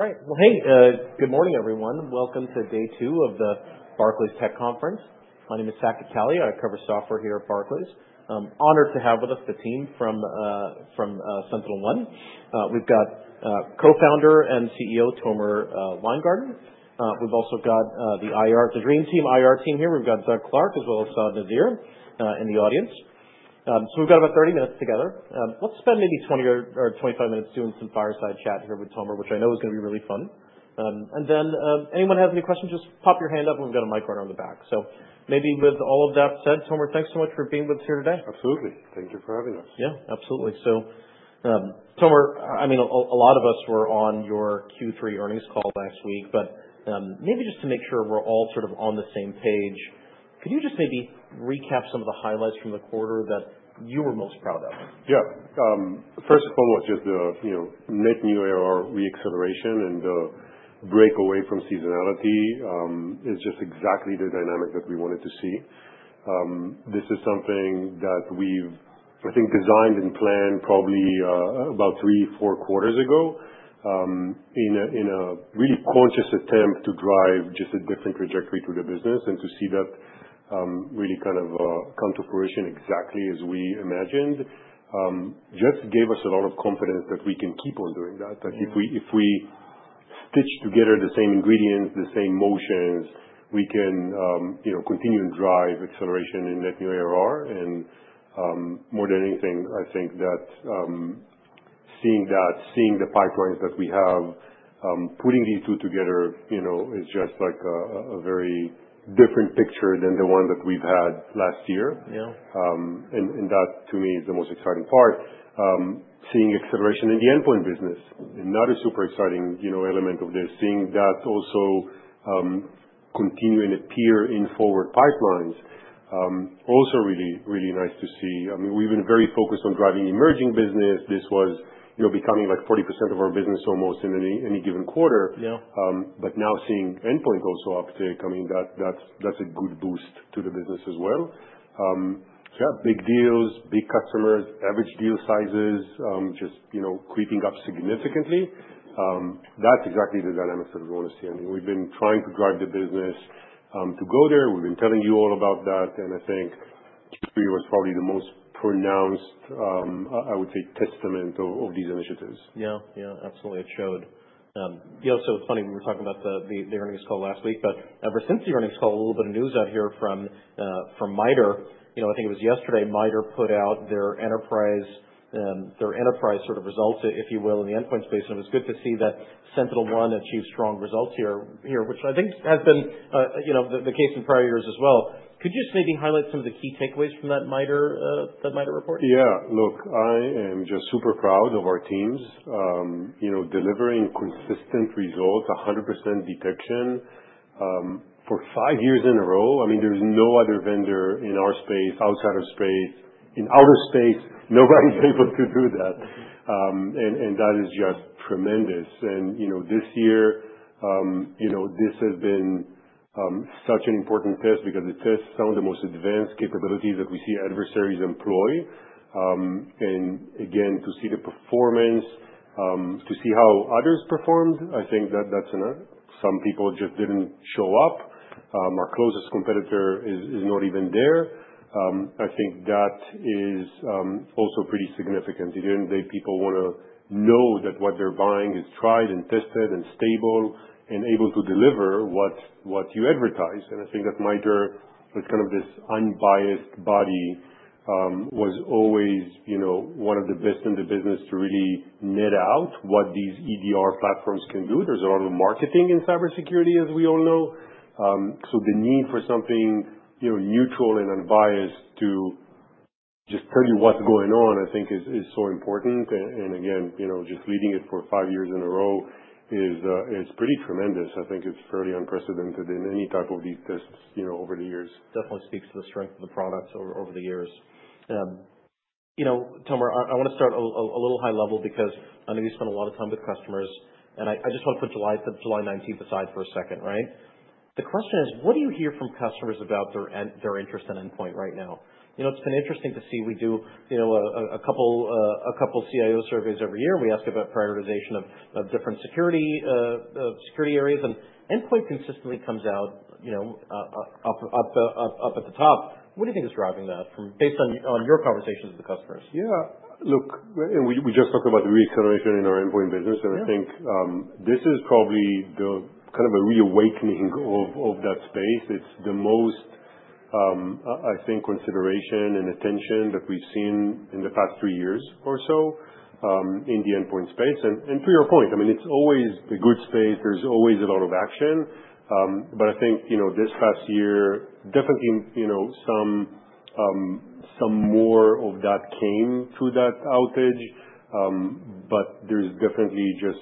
All right. Well, hey, good morning, everyone. Welcome to day two of the Barclays Tech Conference. My name is Saket Kalia. I cover software here at Barclays. Honored to have with us the team from SentinelOne. We've got co-founder and CEO Tomer Weingarten. We've also got the IR, the dream team IR team here. We've got Doug Clark as well as Saad Nazir in the audience. So we've got about 30 minutes together. Let's spend maybe 20 or 25 minutes doing some fireside chat here with Tomer, which I know is gonna be really fun. And then anyone has any questions, just pop your hand up and we've got a mic runner on the back. So maybe with all of that said, Tomer, thanks so much for being with us here today. Absolutely. Thank you for having us. Yeah, absolutely. So, Tomer, I mean, a lot of us were on your Q3 earnings call last week, but, maybe just to make sure we're all sort of on the same page, could you just maybe recap some of the highlights from the quarter that you were most proud of? Yeah. First of all, just the, you know, net new ARR reacceleration and the break away from seasonality, is just exactly the dynamic that we wanted to see. This is something that we've, I think, designed and planned probably, about three, four quarters ago, in a really conscious attempt to drive just a different trajectory to the business and to see that, really kind of, come to fruition exactly as we imagined. Just gave us a lot of confidence that we can keep on doing that, that if we, if we stitch together the same ingredients, the same motions, we can, you know, continue and drive acceleration in net new ARR. More than anything, I think that, seeing that, seeing the pipelines that we have, putting these two together, you know, is just like a very different picture than the one that we've had last year. Yeah. That to me is the most exciting part, seeing acceleration in the endpoint business and not a super exciting, you know, element of this. Seeing that also continue and appear in forward pipelines is also really, really nice to see. I mean, we've been very focused on driving emerging business. This was, you know, becoming like 40% of our business almost in any given quarter. Yeah. But now seeing endpoint also uptake coming, that's a good boost to the business as well. Yeah, big deals, big customers, average deal sizes, just, you know, creeping up significantly. That's exactly the dynamics that we wanna see. I mean, we've been trying to drive the business, to go there. We've been telling you all about that. And I think Q3 was probably the most pronounced, I would say testament of these initiatives. Yeah. Yeah. Absolutely. It showed, you know, so it's funny. We were talking about the earnings call last week, but ever since the earnings call, a little bit of news out here from MITRE. You know, I think it was yesterday MITRE put out their enterprise sort of results, if you will, in the endpoint space. And it was good to see that SentinelOne achieved strong results here, which I think has been, you know, the case in prior years as well. Could you just maybe highlight some of the key takeaways from that MITRE report? Yeah. Look, I am just super proud of our teams, you know, delivering consistent results, 100% detection, for five years in a row. I mean, there's no other vendor in our space, outside of space, in outer space. Nobody's able to do that, and that is just tremendous. You know, this year, you know, this has been such an important test because it tests some of the most advanced capabilities that we see adversaries employ. And again, to see the performance, to see how others performed, I think that that's another. Some people just didn't show up. Our closest competitor is not even there. I think that is also pretty significant. At the end of the day, people wanna know that what they're buying is tried and tested and stable and able to deliver what you advertise. And I think that MITRE was kind of this unbiased body, was always, you know, one of the best in the business to really net out what these EDR platforms can do. There's a lot of marketing in cybersecurity, as we all know. So the need for something, you know, neutral and unbiased to just tell you what's going on, I think is, is so important. And, and again, you know, just leading it for five years in a row is, is pretty tremendous. I think it's fairly unprecedented in any type of these tests, you know, over the years. Definitely speaks to the strength of the product over the years. You know, Tomer, I wanna start a little high level because I know you spend a lot of time with customers, and I just wanna put July 19th aside for a second, right? The question is, what do you hear from customers about their interest in endpoint right now? You know, it's been interesting to see we do a couple CIO surveys every year. We ask about prioritization of different security areas, and endpoint consistently comes out, you know, up at the top. What do you think is driving that based on your conversations with the customers? Yeah. Look, we just talked about the reacceleration in our endpoint business. Yeah. I think this is probably the kind of a reawakening of that space. It's the most consideration and attention that we've seen in the past three years or so in the endpoint space. To your point, I mean, it's always a good space. There's always a lot of action. I think, you know, this past year, definitely, you know, some more of that came through that outage. There's definitely just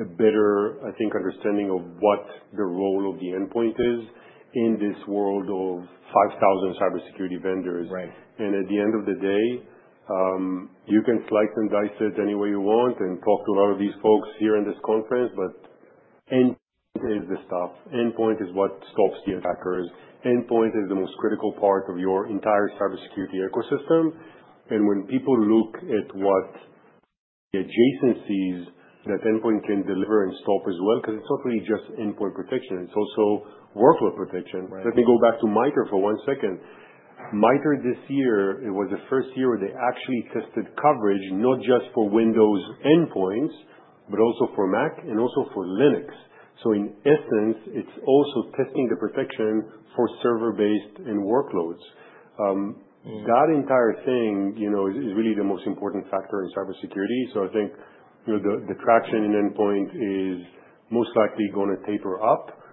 a better, I think, understanding of what the role of the endpoint is in this world of 5,000 cybersecurity vendors. Right. At the end of the day, you can slice and dice it any way you want and talk to a lot of these folks here in this conference, but endpoint is the stuff. Endpoint is what stops the attackers. Endpoint is the most critical part of your entire cybersecurity ecosystem. When people look at what the adjacencies that endpoint can deliver and stop as well, 'cause it's not really just endpoint protection. It's also workload protection. Right. Let me go back to MITRE for one second. MITRE this year, it was the first year where they actually tested coverage, not just for Windows endpoints, but also for Mac and also for Linux. So in essence, it's also testing the protection for server-based and workloads. That entire thing, you know, is really the most important factor in cybersecurity. So I think, you know, the traction in endpoint is most likely gonna pick up.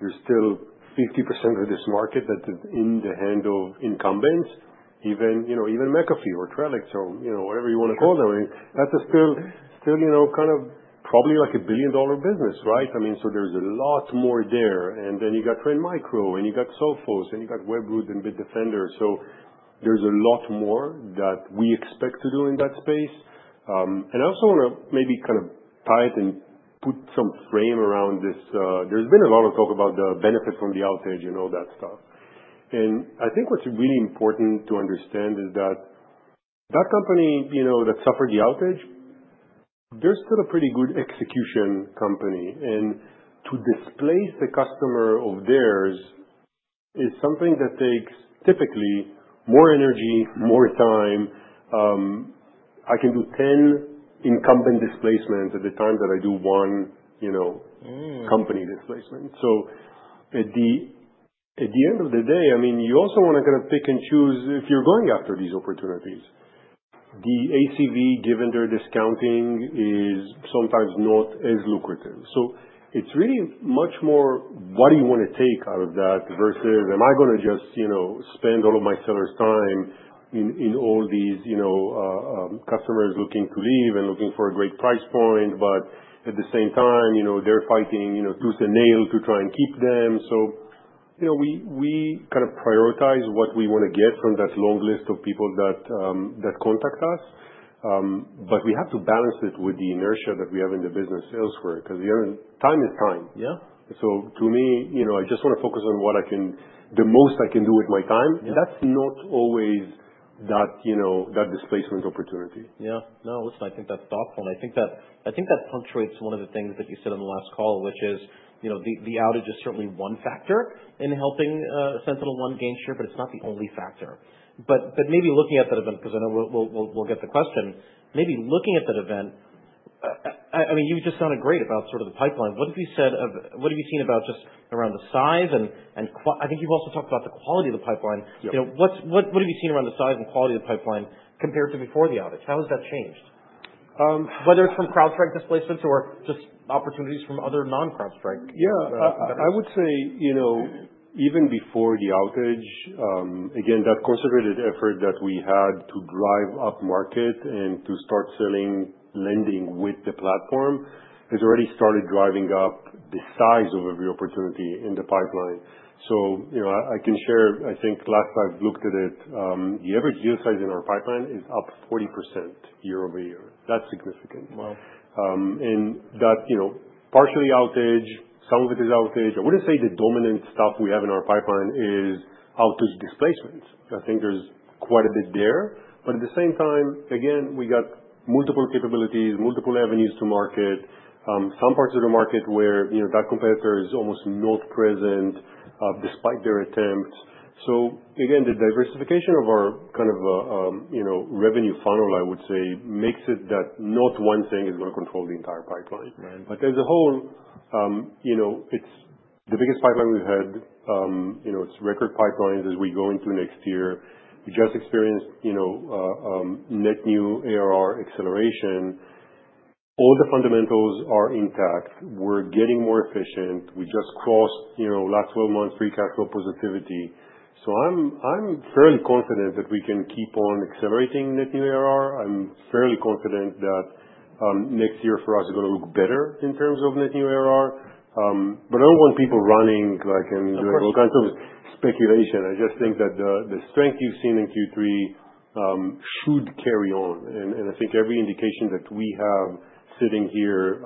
There's still 50% of this market that is in the hands of incumbents, even, you know, even McAfee or Trellix or, you know, whatever you wanna call them. I mean, that's still, you know, kind of probably like a billion-dollar business, right? I mean, so there's a lot more there. And then you got Trend Micro and you got Sophos and you got Webroot and Bitdefender. So there's a lot more that we expect to do in that space. And I also wanna maybe kind of tie it and put some frame around this. There's been a lot of talk about the benefit from the outage and all that stuff. And I think what's really important to understand is that that company, you know, that suffered the outage, they're still a pretty good execution company. And to displace the customer of theirs is something that takes typically more energy, more time. I can do 10 incumbent displacements at the time that I do one, you know. Company displacement. So at the end of the day, I mean, you also wanna kinda pick and choose if you're going after these opportunities. The ACV, given their discounting, is sometimes not as lucrative. So it's really much more what do you wanna take out of that versus am I gonna just, you know, spend all of my sellers' time in all these, you know, customers looking to leave and looking for a great price point, but at the same time, you know, they're fighting, you know, tooth and nail to try and keep them. So, you know, we kinda prioritize what we wanna get from that long list of people that contact us. But we have to balance it with the inertia that we have in the business elsewhere 'cause the end of time is time. Yeah. So, to me, you know, I just wanna focus on what I can the most I can do with my time. Yeah. And that's not always that, you know, that displacement opportunity. Yeah. No, listen, I think that's thoughtful. And I think that punctuates one of the things that you said on the last call, which is, you know, the outage is certainly one factor in helping SentinelOne gain share, but it's not the only factor. But maybe looking at that event, 'cause I know we'll get the question. Maybe looking at that event, I mean, you just sounded great about sort of the pipeline. What have you seen about just around the size and quality of the pipeline? I think you've also talked about the quality of the pipeline. Yeah. You know, what have you seen around the size and quality of the pipeline compared to before the outage? How has that changed, whether it's from CrowdStrike displacements or just opportunities from other non-CrowdStrike vendors. Yeah. I would say, you know, even before the outage, again, that concentrated effort that we had to drive up market and to start selling endpoint with the platform has already started driving up the size of every opportunity in the pipeline. So, you know, I can share, I think last I looked at it, the average deal size in our pipeline is up 40% year-over-year. That's significant. Wow. And that, you know, partial outage, some of it is outage. I wouldn't say the dominant stuff we have in our pipeline is outage displacements. I think there's quite a bit there. But at the same time, again, we got multiple capabilities, multiple avenues to market, some parts of the market where, you know, that competitor is almost not present, despite their attempts. So again, the diversification of our kind of, you know, revenue funnel, I would say, makes it that not one thing is gonna control the entire pipeline. Right. But as a whole, you know, it's the biggest pipeline we've had, you know, it's record pipelines as we go into next year. We just experienced, you know, net new ARR acceleration. All the fundamentals are intact. We're getting more efficient. We just crossed, you know, last 12 months free cash flow positivity. So I'm fairly confident that we can keep on accelerating net new ARR. I'm fairly confident that next year for us is gonna look better in terms of net new ARR. But I don't want people running like and doing all kinds of speculation. I just think that the strength you've seen in Q3 should carry on. And I think every indication that we have sitting here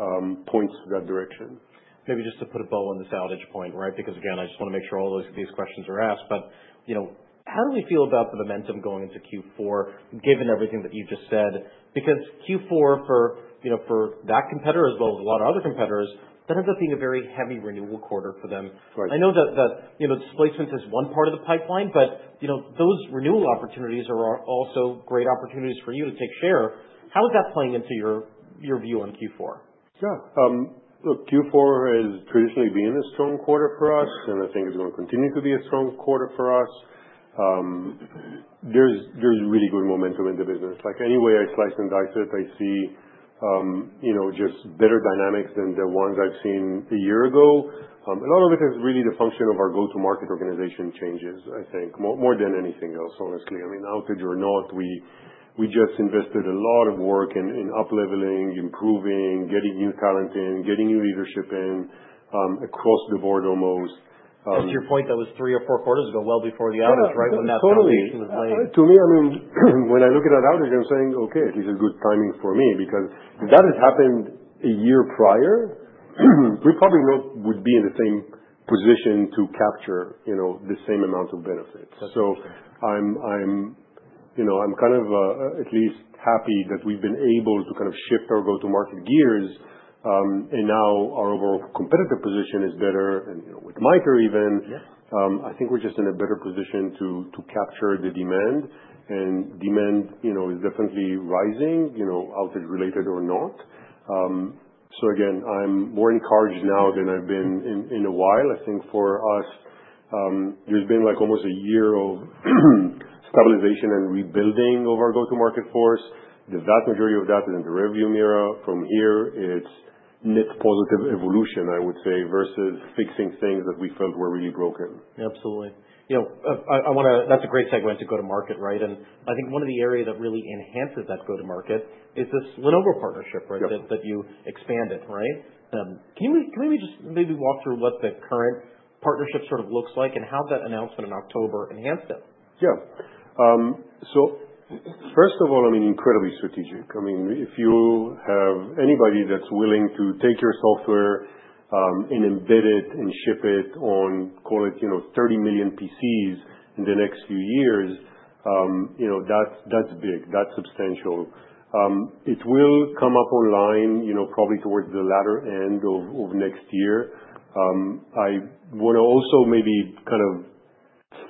points to that direction. Maybe just to put a bow on this outage point, right? Because again, I just wanna make sure all those, these questions are asked. But, you know, how do we feel about the momentum going into Q4, given everything that you've just said? Because Q4 for, you know, for that competitor as well as a lot of other competitors, that ends up being a very heavy renewal quarter for them. Right. I know that, you know, displacement is one part of the pipeline, but, you know, those renewal opportunities are also great opportunities for you to take share. How is that playing into your view on Q4? Yeah. Look, Q4 has traditionally been a strong quarter for us, and I think it's gonna continue to be a strong quarter for us. There's really good momentum in the business. Like any way I slice and dice it, I see, you know, just better dynamics than the ones I've seen a year ago. A lot of it is really the function of our go-to-market organization changes, I think, more than anything else, honestly. I mean, outage or not, we just invested a lot of work in up-leveling, improving, getting new talent in, getting new leadership in, across the board almost. To your point, that was three or four quarters ago, well before the outage, right, when that foundation was laid. Totally. To me, I mean, when I look at that outage, I'm saying, okay, this is good timing for me because if that had happened a year prior, we probably not would be in the same position to capture, you know, the same amount of benefits. That's interesting. So, I'm you know kind of at least happy that we've been able to kind of shift our go-to-market gears, and now our overall competitive position is better, and you know with MITRE even. Yep. I think we're just in a better position to capture the demand. And demand, you know, is definitely rising, you know, outage-related or not. So again, I'm more encouraged now than I've been in a while. I think for us, there's been like almost a year of stabilization and rebuilding of our go-to-market team. The vast majority of that is in the revenue org. From here, it's net positive evolution, I would say, versus fixing things that we felt were really broken. Absolutely. You know, I wanna, that's a great segue into go-to-market, right? And I think one of the areas that really enhances that go-to-market is this Lenovo partnership, right? Yes. That you expanded, right? Can we maybe just walk through what the current partnership sort of looks like and how that announcement in October enhanced it? Yeah. So first of all, I mean, incredibly strategic. I mean, if you have anybody that's willing to take your software, and embed it and ship it on, call it, you know, 30 million PCs in the next few years, you know, that's, that's big. That's substantial. It will come up online, you know, probably towards the latter end of next year. I wanna also maybe kind of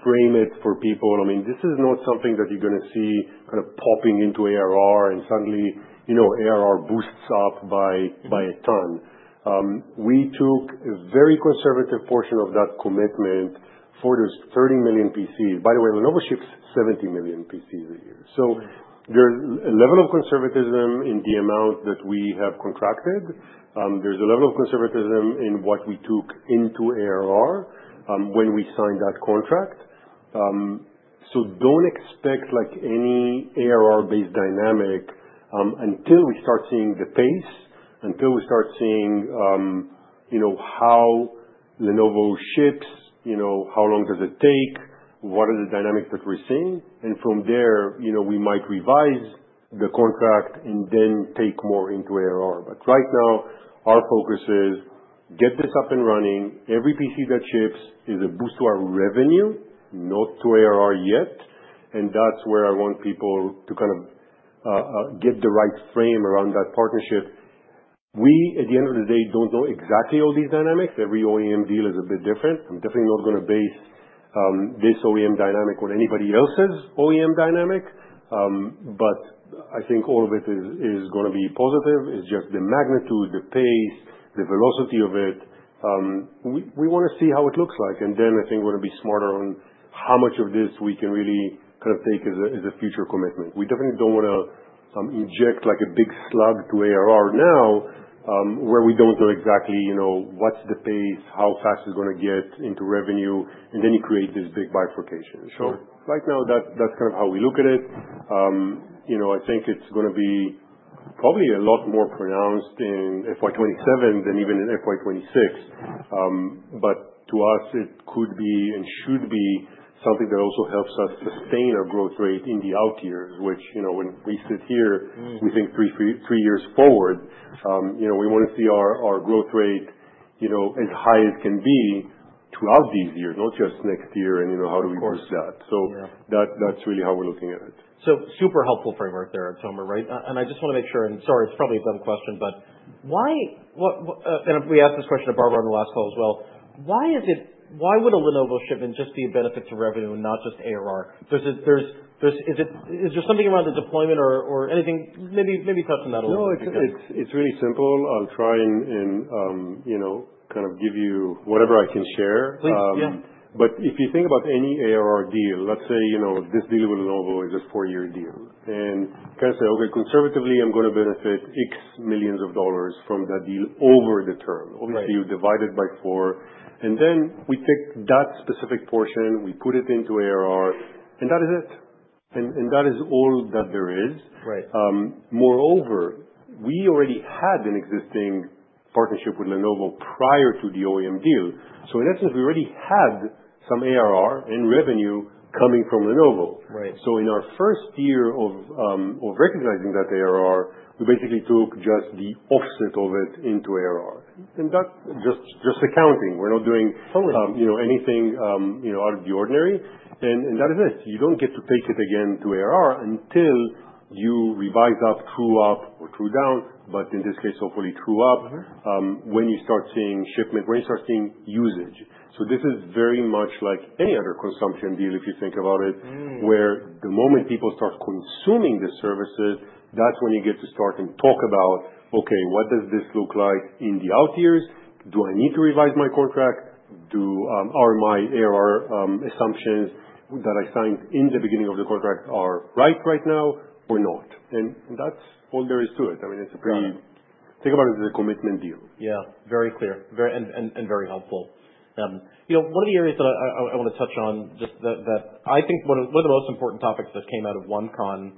frame it for people. I mean, this is not something that you're gonna see kind of popping into ARR and suddenly, you know, ARR boosts up by. Yeah. By a ton. We took a very conservative portion of that commitment for those 30 million PCs. By the way, Lenovo ships 70 million PCs a year. So there's a level of conservatism in the amount that we have contracted. There's a level of conservatism in what we took into ARR, when we signed that contract. So don't expect like any ARR-based dynamic, until we start seeing the pace, until we start seeing, you know, how Lenovo ships, you know, how long does it take, what are the dynamics that we're seeing. And from there, you know, we might revise the contract and then take more into ARR. But right now, our focus is get this up and running. Every PC that ships is a boost to our revenue, not to ARR yet. And that's where I want people to kind of, get the right frame around that partnership. We, at the end of the day, don't know exactly all these dynamics. Every OEM deal is a bit different. I'm definitely not gonna base this OEM dynamic on anybody else's OEM dynamic, but I think all of it is gonna be positive. It's just the magnitude, the pace, the velocity of it. We wanna see how it looks like, and then I think we're gonna be smarter on how much of this we can really kind of take as a future commitment. We definitely don't wanna inject like a big slug to ARR now, where we don't know exactly, you know, what's the pace, how fast it's gonna get into revenue, and then you create this big bifurcation. Sure. So right now, that's kind of how we look at it, you know. I think it's gonna be probably a lot more pronounced in FY 2027 than even in FY 2026. But to us, it could be and should be something that also helps us sustain our growth rate in the out years, which, you know, when we sit here, we think three, three, three years forward, you know. We wanna see our growth rate, you know, as high as can be throughout these years, not just next year, and, you know, how do we boost that. Of course. Yeah. So that, that's really how we're looking at it. So super helpful framework there, Tomer, right? and I just wanna make sure, and sorry, it's probably a dumb question, but why what, and we asked this question to Barbara on the last call as well. Why is it why would a Lenovo shipment just be a benefit to revenue and not just ARR? There's, is it is there something around the deployment or anything? Maybe touch on that a little bit. No, it's really simple. I'll try and, you know, kind of give you whatever I can share. Please, yeah. But if you think about any ARR deal, let's say, you know, this deal with Lenovo is a four-year deal, and kinda say, okay, conservatively, I'm gonna benefit $X million from that deal over the term. Right. Obviously, you divide it by four. And then we take that specific portion, we put it into ARR, and that is it. And that is all that there is. Right. Moreover, we already had an existing partnership with Lenovo prior to the OEM deal. So in essence, we already had some ARR and revenue coming from Lenovo. Right. So in our first year of recognizing that ARR, we basically took just the offset of it into ARR. And that just accounting. We're not doing. Totally. You know, anything, you know, out of the ordinary, and that is it. You don't get to take it again to ARR until you revise up, true up, or true down, but in this case, hopefully true up. Mm-hmm. When you start seeing shipment, when you start seeing usage. So this is very much like any other consumption deal if you think about it. Where the moment people start consuming the services, that's when you get to start and talk about, okay, what does this look like in the out years? Do I need to revise my contract? Do, are my ARR assumptions that I signed in the beginning of the contract right right now or not? And, and that's all there is to it. I mean, it's a pretty. Yeah. Think about it as a commitment deal. Yeah. Very clear. Very, and very helpful. You know, one of the areas that I wanna touch on just that I think one of the most important topics that came out of OneCon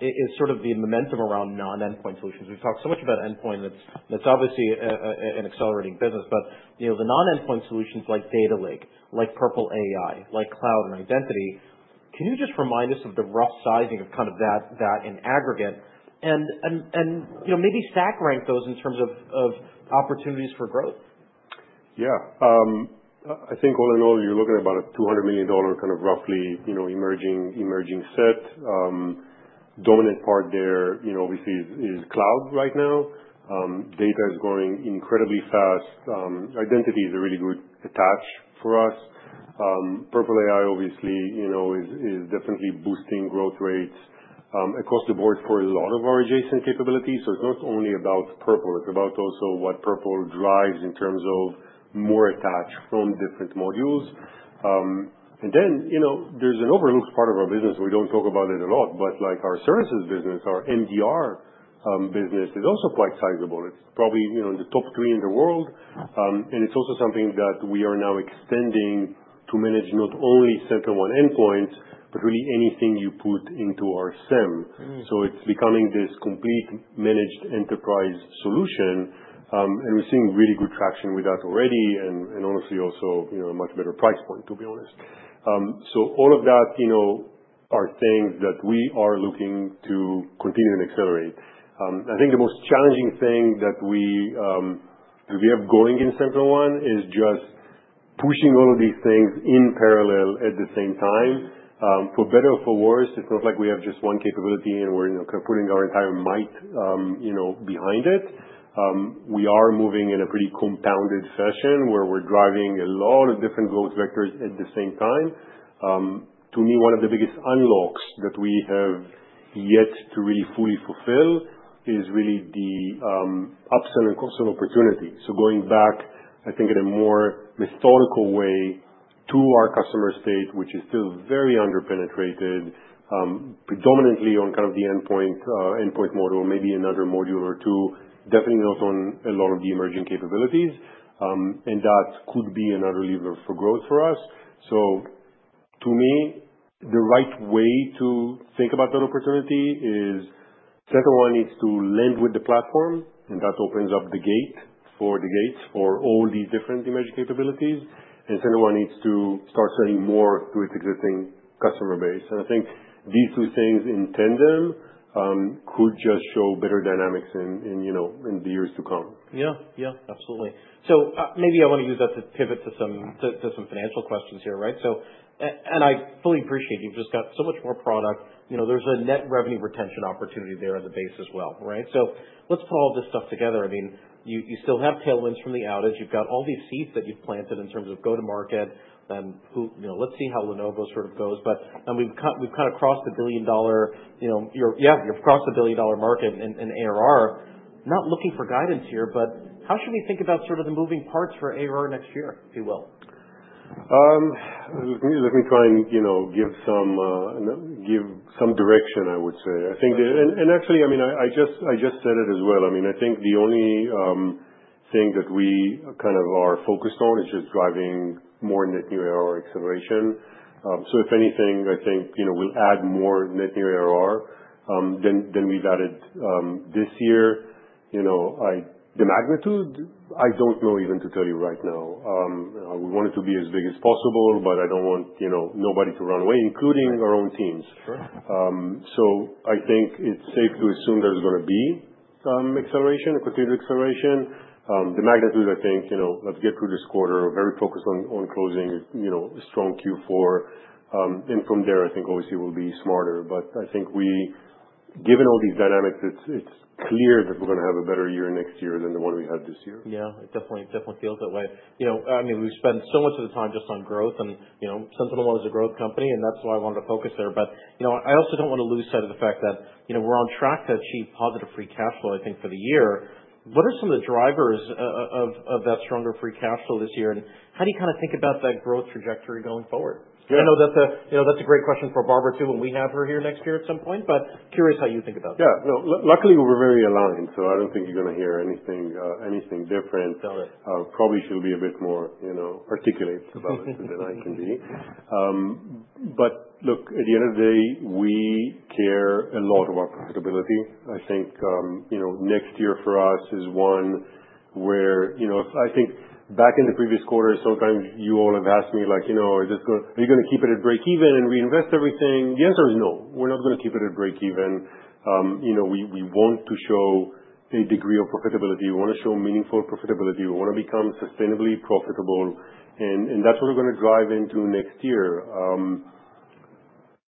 is sort of the momentum around non-endpoint solutions. We've talked so much about endpoint, and it's obviously an accelerating business. But, you know, the non-endpoint solutions like Data Lake, like Purple AI, like Cloud and Identity, can you just remind us of the rough sizing of kind of that in aggregate? And, you know, maybe stack rank those in terms of opportunities for growth. Yeah. I think all in all, you're looking at about a $200 million kind of roughly, you know, emerging set. Dominant part there, you know, obviously is Cloud right now. Data is growing incredibly fast. Identity is a really good attach for us. Purple AI, obviously, you know, is definitely boosting growth rates, across the board for a lot of our adjacent capabilities. So it's not only about Purple. It's about also what Purple drives in terms of more attach from different modules. And then, you know, there's an overlooked part of our business. We don't talk about it a lot, but like our services business, our MDR business is also quite sizable. It's probably, you know, in the top three in the world. And it's also something that we are now extending to manage not only SentinelOne endpoints, but really anything you put into our SIEM. So it's becoming this complete managed enterprise solution. And we're seeing really good traction with that already and, and honestly also, you know, a much better price point, to be honest. So all of that, you know, are things that we are looking to continue and accelerate. I think the most challenging thing that we, that we have going in SentinelOne is just pushing all of these things in parallel at the same time. For better or for worse, it's not like we have just one capability and we're, you know, kinda putting our entire might, you know, behind it. We are moving in a pretty compounded fashion where we're driving a lot of different growth vectors at the same time. To me, one of the biggest unlocks that we have yet to really fully fulfill is really the upsell and cross-sell opportunity. So going back, I think, in a more methodical way to our customer state, which is still very underpenetrated, predominantly on kind of the endpoint, endpoint model, maybe another module or two, definitely not on a lot of the emerging capabilities. And that could be another lever for growth for us. So to me, the right way to think about that opportunity is SentinelOne needs to lead with the platform, and that opens up the gate for the gates for all these different emerging capabilities. And SentinelOne needs to start selling more to its existing customer base. And I think these two things in tandem could just show better dynamics in, you know, in the years to come. Yeah. Yeah. Absolutely. So, maybe I want to use that to pivot to some financial questions here, right? So, and I fully appreciate you've just got so much more product. You know, there's a net revenue retention opportunity there at the base as well, right? So let's put all of this stuff together. I mean, you still have tailwinds from the outage. You've got all these seeds that you've planted in terms of go-to-market. And, you know, let's see how Lenovo sort of goes. But, and we've kinda crossed the billion-dollar, you know, you've crossed the billion-dollar market in ARR. Not looking for guidance here, but how should we think about sort of the moving parts for ARR next year, if you will? Let me try and, you know, give some direction, I would say. I think, and actually, I mean, I just said it as well. I mean, I think the only thing that we kind of are focused on is just driving more net new ARR acceleration. So if anything, I think, you know, we'll add more net new ARR than we've added this year, you know. The magnitude, I don't know even to tell you right now. We want it to be as big as possible, but I don't want, you know, nobody to run away, including our own teams. Sure. So I think it's safe to assume there's gonna be acceleration, a continued acceleration. The magnitude, I think, you know, let's get through this quarter, very focused on closing, you know, a strong Q4. From there, I think obviously we'll be smarter. But I think, given all these dynamics, it's clear that we're gonna have a better year next year than the one we had this year. Yeah. It definitely, definitely feels that way. You know, I mean, we've spent so much of the time just on growth, and, you know, SentinelOne is a growth company, and that's why I wanted to focus there. But, you know, I also don't wanna lose sight of the fact that, you know, we're on track to achieve positive free cash flow, I think, for the year. What are some of the drivers of that stronger free cash flow this year, and how do you kinda think about that growth trajectory going forward? Yeah. I know that's, you know, that's a great question for Barbara too when we have her here next year at some point, but curious how you think about that. Yeah. No, luckily, we're very aligned, so I don't think you're gonna hear anything different. Got it. Probably she'll be a bit more, you know, articulate about it than I can be. Absolutely. But look, at the end of the day, we care a lot about profitability. I think, you know, next year for us is one where, you know, I think back in the previous quarter, sometimes you all have asked me like, you know, are you gonna keep it at break-even and reinvest everything? The answer is no. We're not gonna keep it at break-even. You know, we want to show a degree of profitability. We wanna show meaningful profitability. We wanna become sustainably profitable. And that's what we're gonna drive into next year.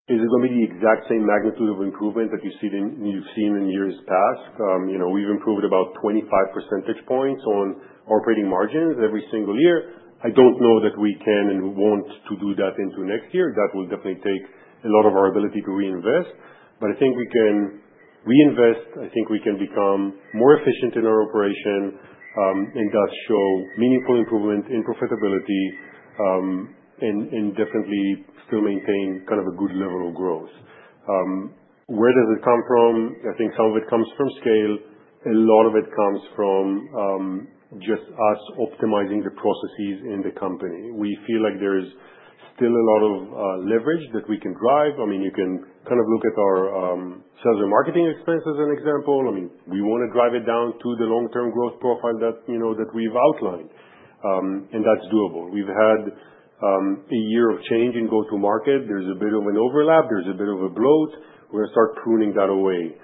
Is it gonna be the exact same magnitude of improvement that you've seen in years past? You know, we've improved about 25 percentage points on our operating margins every single year. I don't know that we can and want to do that into next year. That will definitely take a lot of our ability to reinvest. But I think we can reinvest. I think we can become more efficient in our operation, and thus show meaningful improvement in profitability, and definitely still maintain kind of a good level of growth. Where does it come from? I think some of it comes from scale. A lot of it comes from just us optimizing the processes in the company. We feel like there is still a lot of leverage that we can drive. I mean, you can kind of look at our sales and marketing expenses as an example. I mean, we wanna drive it down to the long-term growth profile that, you know, that we've outlined, and that's doable. We've had a year of change in go-to-market. There's a bit of an overlap. There's a bit of a bloat. We're gonna start pruning that away.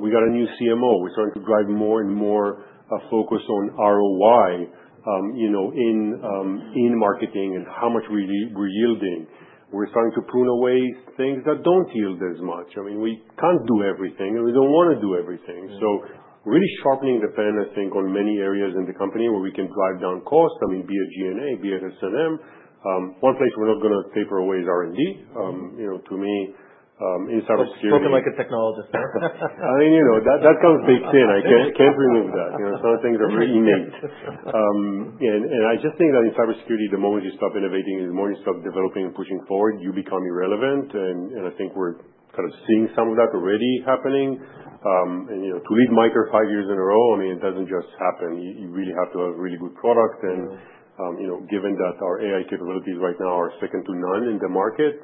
We got a new CMO. We're starting to drive more and more a focus on ROI, you know, in marketing and how much we're yielding. We're starting to prune away things that don't yield as much. I mean, we can't do everything, and we don't wanna do everything. Right. So really sharpening the pen, I think, on many areas in the company where we can drive down cost, I mean, be it G&A, be it S&M. One place we're not gonna taper away is R&D. You know, to me, in cybersecurity. You've spoken like a technologist now. I mean, you know, that comes baked in. I can't remove that. You know, some things are very innate, and I just think that in cybersecurity, the moment you stop innovating, the moment you stop developing and pushing forward, you become irrelevant. And I think we're kind of seeing some of that already happening, and you know, to lead MITRE five years in a row, I mean, it doesn't just happen. You really have to have a really good product. And. Right. You know, given that our AI capabilities right now are second to none in the market,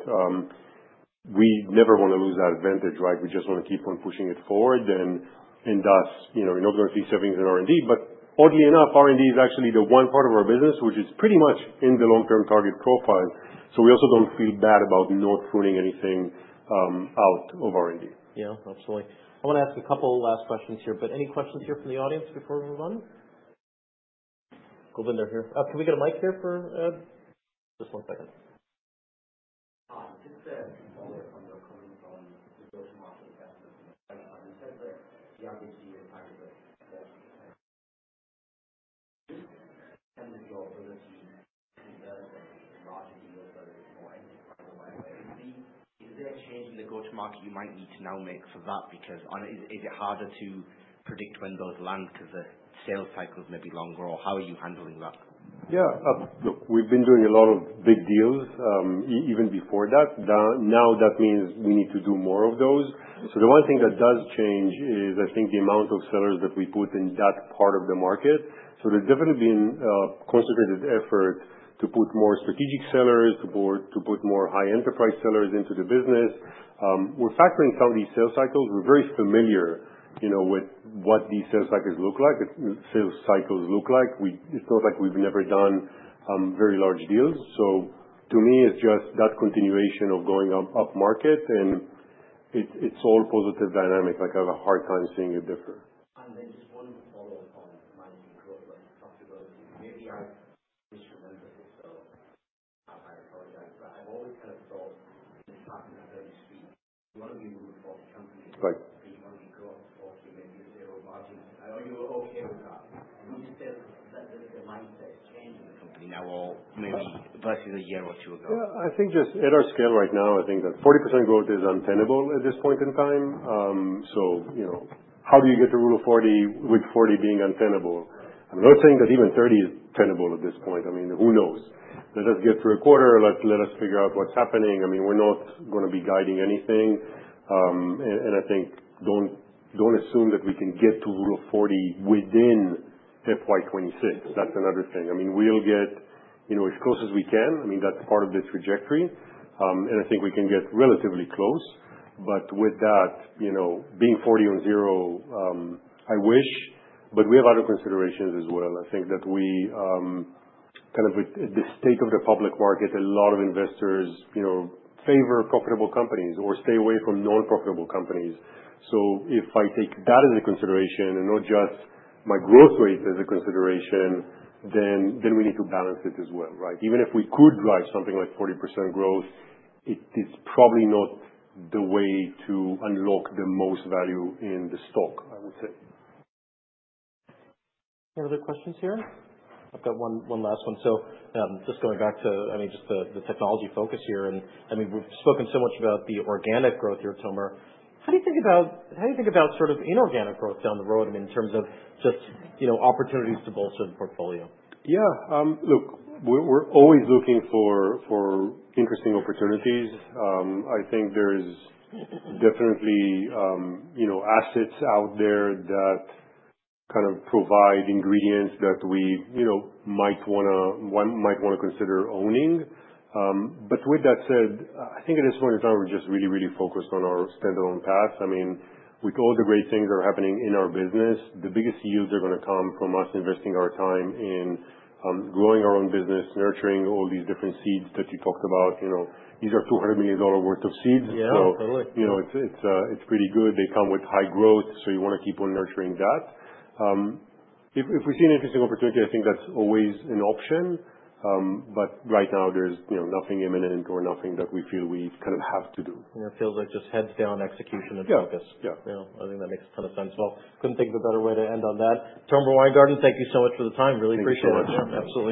we never wanna lose that advantage, right? We just wanna keep on pushing it forward. And, and thus, you know, we're not gonna see savings in R&D. But oddly enough, R&D is actually the one part of our business which is pretty much in the long-term target profile. So we also don't feel bad about not pruning anything, out of R&D. Yeah. Absolutely. I wanna ask a couple last questions here, but any questions here from the audience before we move on? Govinder here. Can we get a mic here for just one second? Just a follow-up on what's coming from the go-to-market aspect. And you said that the R&D impact is, like, what is the ability to invest in larger deals that is more enterprise-wide? Like, is there a change in the go-to-market you might need to now make for that? Because, is it harder to predict when those land 'cause the sales cycle's maybe longer, or how are you handling that? Yeah. Look, we've been doing a lot of big deals, even before that. Now, that means we need to do more of those. So the one thing that does change is, I think, the amount of sellers that we put in that part of the market. So there's definitely been a concentrated effort to put more strategic sellers, to put more high-enterprise sellers into the business. We're factoring some of these sales cycles. We're very familiar, you know, with what these sales cycles look like. It's not like we've never done very large deals. So to me, it's just that continuation of going up market, and it's all positive dynamic. Like, I have a hard time seeing it differ. And then just one follow-up on managing growth and profitability. Maybe I misremembered it, so I apologize. But I've always kinda thought in the past, in the Rule of 40, you wanna be a Rule of 40 company. Right. But you wanna be growth for maybe a zero margin. I know you were okay with that. Would you say that the mindset is changing? Company now, or maybe versus a year or two ago? Yeah. I think just at our scale right now, I think that 40% growth is untenable at this point in time, so you know, how do you get to Rule of 40, with 40 being untenable? I'm not saying that even 30% is tenable at this point. I mean, who knows? Let us get through a quarter. Let's figure out what's happening. I mean, we're not gonna be guiding anything, and I think don't assume that we can get to Rule of 40 within FY26. That's another thing. I mean, we'll get, you know, as close as we can. I mean, that's part of this trajectory, and I think we can get relatively close. But with that, you know, being 40 on zero, I wish. But we have other considerations as well. I think that we kind of, at the state of the public market, a lot of investors, you know, favor profitable companies or stay away from non-profitable companies, so if I take that as a consideration and not just my growth rate as a consideration, then we need to balance it as well, right? Even if we could drive something like 40% growth, it is probably not the way to unlock the most value in the stock, I would say. Any other questions here? I've got one last one. So, just going back to, I mean, just the technology focus here, and I mean, we've spoken so much about the organic growth here at SentinelOne. How do you think about sort of inorganic growth down the road, I mean, in terms of just, you know, opportunities to bolster the portfolio? Yeah. Look, we're always looking for interesting opportunities. I think there is definitely, you know, assets out there that kind of provide ingredients that we, you know, might wanna consider owning. But with that said, I think at this point in time, we're just really focused on our standalone path. I mean, with all the great things that are happening in our business, the biggest yields are gonna come from us investing our time in growing our own business, nurturing all these different seeds that you talked about. You know, these are $200 million worth of seeds. Yeah. Absolutely. So, you know, it's pretty good. They come with high growth, so you wanna keep on nurturing that. If we see an interesting opportunity, I think that's always an option. But right now, there's, you know, nothing imminent or nothing that we feel we kind of have to do. Yeah. Feels like just heads down, execution and focus. Yeah. Yeah. Yeah. I think that makes a ton of sense. Well, couldn't think of a better way to end on that. Tomer Weingarten, thank you so much for the time. Really appreciate it. Thank you so much. Absolutely.